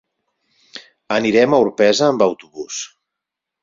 Anirem a Orpesa amb autobús.